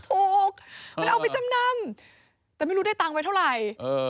ถูกมันเอาไปจำนำแต่ไม่รู้ได้ตังค์ไว้เท่าไหร่